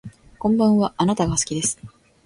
こんばんはあなたが好きです